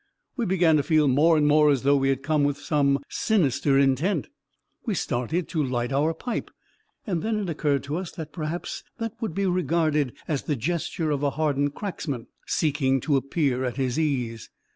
We began to feel more and more as though we had come with some sinister intent. We started to light our pipe, and then it occurred to us that perhaps that would be regarded as the gesture of a hardened cracksman, seeking to appear at his ease.